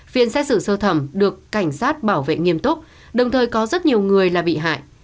phiên xét xử sơ thẩm được cảnh sát bảo vệ nghiêm túc đồng thời có rất nhiều người là bị hại